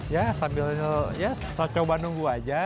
ya sambil ya coba nunggu aja